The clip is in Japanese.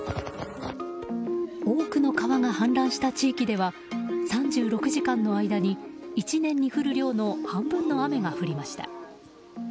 多くの川が氾濫した地域では３６時間の間に１年に降る量の半分の雨が降りました。